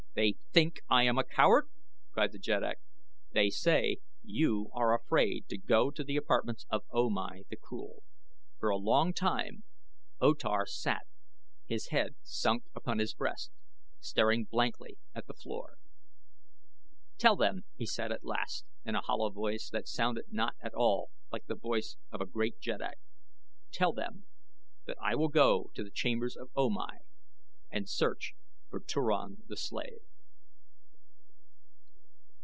"They think I am a coward?" cried the jeddak. "They say you are afraid to go to the apartments of O mai the Cruel." For a long time O Tar sat, his head sunk upon his breast, staring blankly at the floor. "Tell them," he said at last in a hollow voice that sounded not at all like the voice of a great jeddak; "tell them that I will go to the chambers of O Mai and search for Turan the slave."